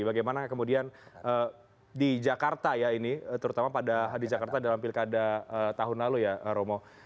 bagaimana kemudian di jakarta ya ini terutama di jakarta dalam pilkada tahun lalu ya romo